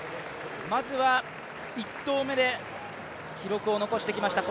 まずは、１投目で記録を残してきました。